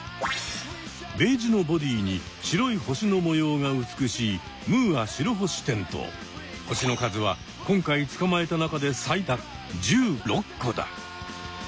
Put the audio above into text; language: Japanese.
ベージュのボディーに白い星の模様が美しい星の数は今回つかまえた中で最多１６個だ。